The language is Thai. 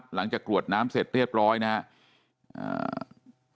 กรวดน้ำเสร็จเรียบร้อยนะครับ